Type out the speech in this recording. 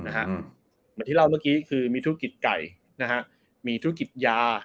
เหมือนที่เล่าเมื่อกี้คือมีธุรกิจไก่มีธุรกิจยา